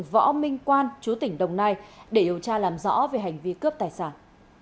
võ minh quan chú tỉnh đồng nai để điều tra làm rõ về hành vi cướp tài sản